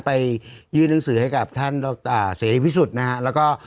ไปยื่นหนังสือให้กับท่านเสรีพิสุทธิ์นะฮะแล้วก็